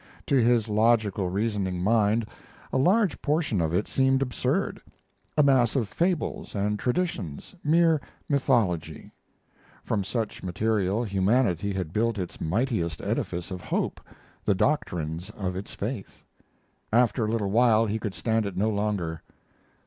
To his logical reasoning mind, a large portion of it seemed absurd: a mass of fables and traditions, mere mythology. From such material humanity had built its mightiest edifice of hope, the doctrines of its faith. After a little while he could stand it no longer.